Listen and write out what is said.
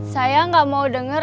saya gak mau denger